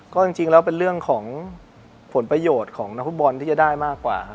ก็จริงแล้วเป็นเรื่องของผลประโยชน์ของนักฟุตบอลที่จะได้มากกว่าครับ